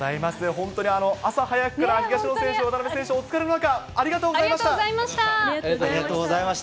本当に朝早くから東野選手、渡辺選手、お疲れの中、ありがとありがとうございました。